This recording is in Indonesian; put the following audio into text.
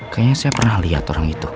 kayaknya saya pernah lihat orang itu